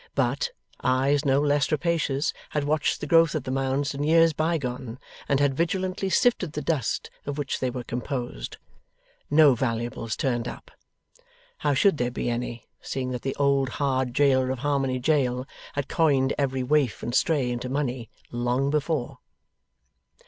But, eyes no less rapacious had watched the growth of the Mounds in years bygone, and had vigilantly sifted the dust of which they were composed. No valuables turned up. How should there be any, seeing that the old hard jailer of Harmony Jail had coined every waif and stray into money, long before?